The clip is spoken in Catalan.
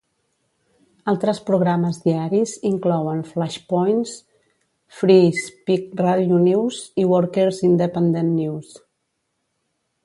Altres programes diaris inclouen Flashpoints, Free Speech Radio News i Workers Independent News.